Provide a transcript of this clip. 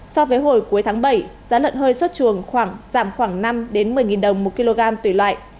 so với hồi cuối tháng bảy giá lợn hơi xuất chuồng khoảng giảm khoảng năm một mươi đồng một kg tùy loại